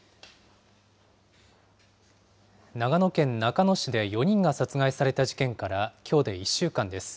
長野県中野市で４人が殺害された事件からきょうで１週間です。